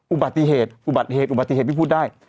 อุบัติเหตุอุบัติเหตุอุบัติเหตุที่พูดได้